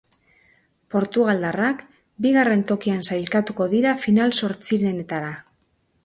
Portugaldarrak bigarren tokian sailkatuko dira final-zortzirenetara.